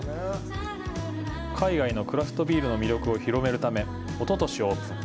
海外のクラフトビールの魅力を広めるため、おととしオープン。